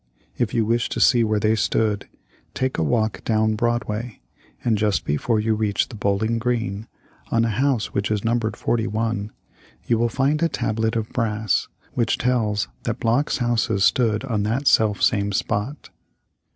If you wish to see where they stood, take a walk down Broadway, and just before you reach the Bowling Green, on a house which is numbered 41, you will find a tablet of brass which tells that Block's houses stood on that self same spot.